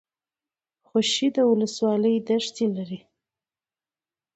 خوشي ولسوالۍ دښتې لري؟